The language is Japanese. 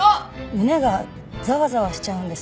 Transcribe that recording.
胸がざわざわしちゃうんです。